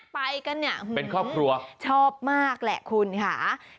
ไปกันเนี่ยหื้อชอบมากแหละคุณค่ะเป็นครอบครัว